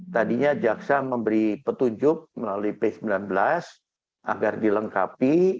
tadinya jaksa memberi petunjuk melalui p sembilan belas agar dilengkapi